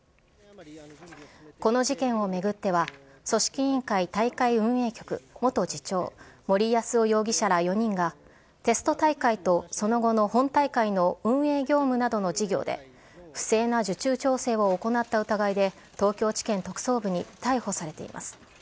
この事件を巡っては、組織委員会大会運営局元次長、森泰夫容疑者ら４人が、テスト大会とその後の本大会の運営業務などの事業で、不正な受注調整を行った疑いで、東京地検特捜部に逮捕されています。